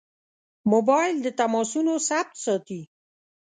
موبایل د تماسونو ثبت ساتي.